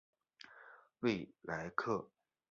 瑞亚克。